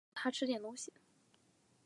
找她去吃点东西